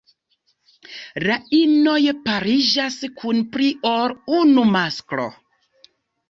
La inoj pariĝas kun pli ol unu masklo.